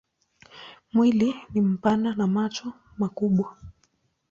Mwili ni mpana na macho makubwa.